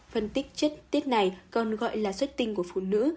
phân tích chất tiết này còn gọi là xuất tinh của phụ nữ